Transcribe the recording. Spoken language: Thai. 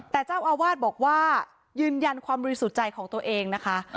แต่เจ้าอาวาสบอกว่ายืนยันความบริสุทธิ์ใจของตัวเองนะคะ